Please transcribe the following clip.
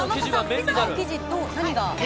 ピザの生地と何が？